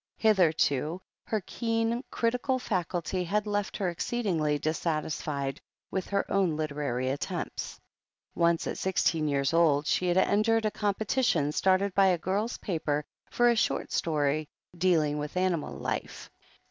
Hitherto her keen critical faculty had left her ex ceedingly dissatisfied with her own literary attempts. Once at sixteen years old, she had entered a com petition started by a girl's paper for a short story "dealing with animal life."